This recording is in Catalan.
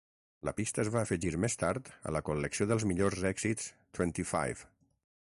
La pista es va afegir més tard a la col·lecció dels millors èxits "Twenty Five".